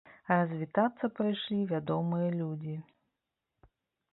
Развітацца прыйшлі вядомыя людзі.